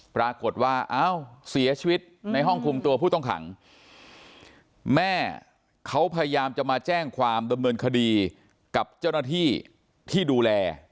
ปรากฏว่าเอ้าเสียชีวิตในห้องคุมตัวผู้ต้องขังแม่เขาพยายามจะมาแจ้งความดำเนินคดีกับเจ้าหน้าที่ที่ดูแล